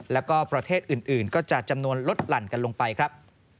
แล้วก็ประเทศอื่นก็จะจำนวนลดหลั่นกันลงไปครับ